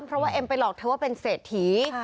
เพราะว่าเอ็มไปหลอกเธอว่าเป็นเศรษฐี